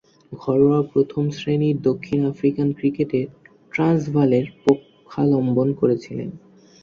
ঘরোয়া প্রথম-শ্রেণীর দক্ষিণ আফ্রিকান ক্রিকেটে ট্রান্সভালের পক্ষাবলম্বন করেছিলেন।